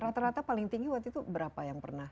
rata rata paling tinggi waktu itu berapa yang pernah